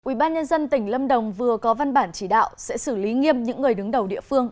quỹ ban nhân dân tỉnh lâm đồng vừa có văn bản chỉ đạo sẽ xử lý nghiêm những người đứng đầu địa phương